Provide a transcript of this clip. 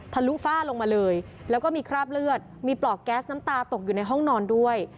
ลุฝ้าลงมาเลยแล้วก็มีคราบเลือดมีปลอกแก๊สน้ำตาตกอยู่ในห้องนอนด้วย